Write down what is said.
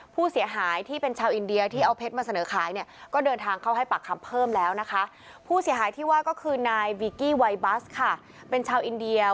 ผู้เสียหายที่เป็นชาวอินเดียที่เอาเพชรมาเสนอขายเนี้ย